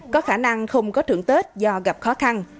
có khả năng không có thưởng tết do gặp khó khăn